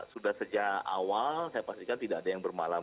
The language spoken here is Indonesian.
sudah sejak awal saya pastikan tidak ada yang bermalam